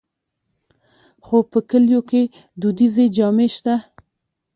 خو په کلیو کې دودیزې جامې شته.